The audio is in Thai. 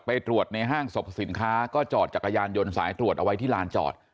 ไปตรวจในห้างสรรพสินค้าก็จอดจักรยานยนต์สายตรวจเอาไว้ที่ลานจอด